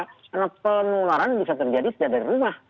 karena penularan bisa terjadi di rumah